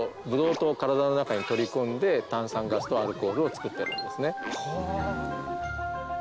ブドウ糖を体の中に取り込んで炭酸ガスとアルコールを作ってるんですね。